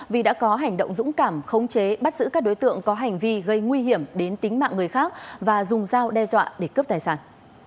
vì đã có hành động dũng cảm khống chế bắt giữ các đối tượng có hành vi gây nguy hiểm đến tính mạng người khác và dùng dao đe dọa để cướp tài sản